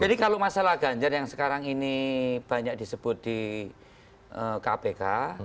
jadi kalau masalah ganjar yang sekarang ini banyak disebut di kpk